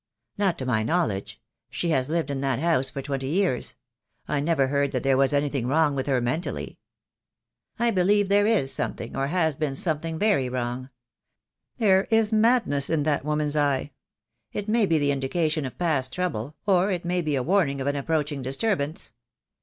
"Not to my knowledge. She has lived in that house for twenty years. I never heard that there was anything wrong with her mentally." "I believe there is something, or has been something very wrong. There is madness in that woman's eye. It may be the indication of past trouble, or it may be a warning of an approaching disturbance.